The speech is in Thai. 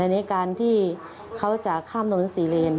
ในการที่เขาจะข้ามถนน๔เลน